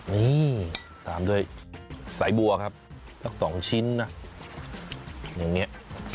นี่ตามด้วยสายบัวครับสักสองชิ้นนะอย่างนี้